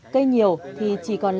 cây nhiều thì chỉ có một nửa